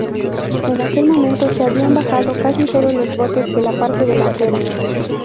En aquel momento se habían bajado casi todos los botes de la parte delantera.